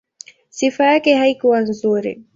Sifa yake haikuwa nzuri.